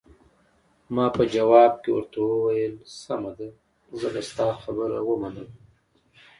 ما په ځواب کې ورته وویل: سمه ده، زه به ستا خبره ومنم.